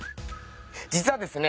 実はですね